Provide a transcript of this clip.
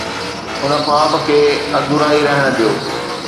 ان خواب کي ادھورا ئي رهڻ ڏيو.